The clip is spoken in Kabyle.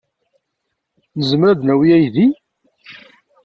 Nezmer ad d-nawi aydi?